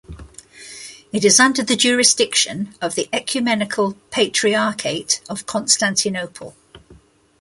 It is under the jurisdiction of the Ecumenical Patriarchate of Constantinople.